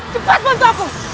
cepat bantu aku